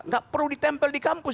nggak perlu ditempel di kampus